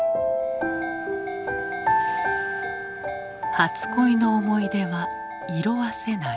初恋の思い出は色あせない。